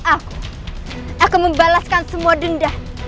aku aku membalaskan semua denda